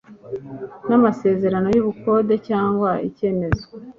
n amasezerano y ubukode cyangwa icyemezo